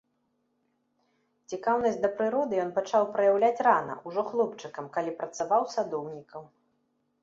Цікаўнасць да прыроды ён пачаў праяўляць рана, ужо хлопчыкам, калі працаваў садоўнікам.